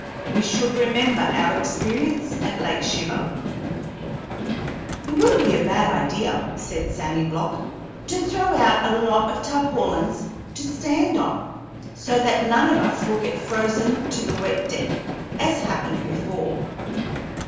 We should remember our experience at Lake Shiver." "It wouldn't be a bad idea," said Sammy Block, "to throw out a lot of tarpaulins to stand on, so that none of us will get frozen to the wet deck, as happened before."